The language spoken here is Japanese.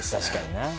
確かにな。